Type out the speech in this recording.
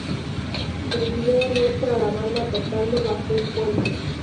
El video muestra a la banda tocando bajo un puente.